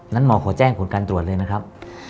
หมอขอแจ้งผลการตรวจเลยนะครับ